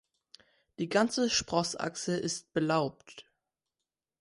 Die ganze Sprossachse ist belaubt.